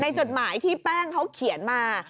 จดหมายที่แป้งเขาเขียนมา